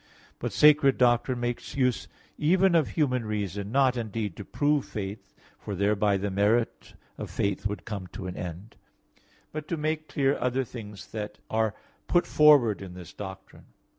But sacred doctrine makes use even of human reason, not, indeed, to prove faith (for thereby the merit of faith would come to an end), but to make clear other things that are put forward in this doctrine.